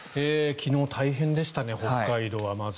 昨日、大変でしたね北海道は。